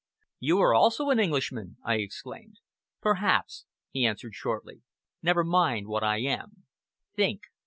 "You are also an Englishman!" I exclaimed. "Perhaps!" he answered shortly. "Never mind what I am. Think!